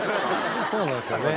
そうなんですよね。